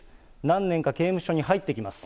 何年か刑務所に入ってきます。